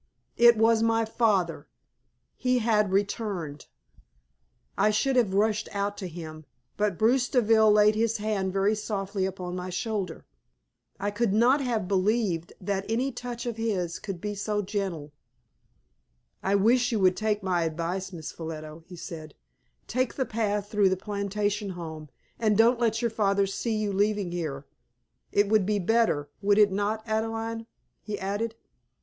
It was my father he had returned. I should have rushed out to him, but Bruce Deville laid his hand very softly upon my shoulder. I could not have believed that any touch of his could be so gentle. "I wish you would take my advice, Miss Ffolliot," he said. "Take the path through the plantation home, and don't let your father see you leaving here. It would be better, would it not, Adelaide?" he added.